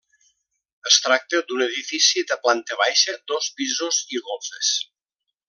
Es tracta d'un edifici de planta baixa, dos pisos i golfes.